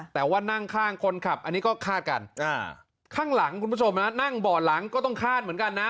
แต่ว่านั่งข้างคนขับอันนี้ก็คาดกันข้างหลังคุณผู้ชมนั่งบ่อหลังก็ต้องคาดเหมือนกันนะ